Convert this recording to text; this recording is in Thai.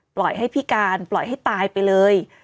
ปล่อยให้พิการปล่อยให้ตายไปเลย